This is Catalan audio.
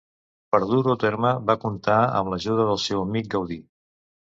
Per dur-ho a terme va comptar amb l'ajuda del seu amic Gaudí.